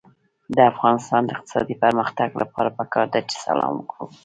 د افغانستان د اقتصادي پرمختګ لپاره پکار ده چې سلام وکړو.